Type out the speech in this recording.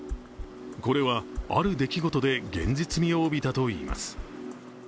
これはある出来事で現実味を帯びたといいます